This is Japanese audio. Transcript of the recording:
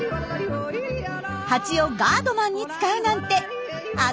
ハチをガードマンに使うなんて頭いいですね！